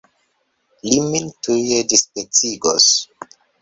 Li min tuj dispecigos!